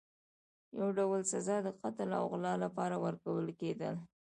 یو ډول سزا د قتل او غلا لپاره ورکول کېدله.